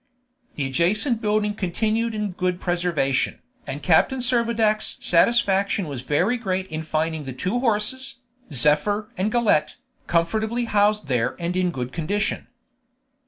The adjacent building continued in good preservation, and Captain Servadac's satisfaction was very great in finding the two horses, Zephyr and Galette, comfortably housed there and in good condition.